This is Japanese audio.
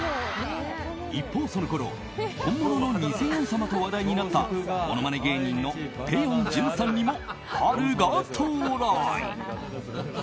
一方、そのころ本物の偽ヨン様と話題になったものまね芸人のぺよん潤さんにも春が到来。